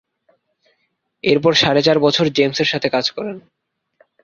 এরপর সাড়ে চার বছর জেমসের সাথে কাজ করেন।